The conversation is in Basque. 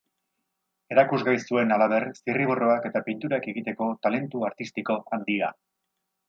Erakusgai zuen, halaber, zirriborroak eta pinturak egiteko talentu artistiko handia.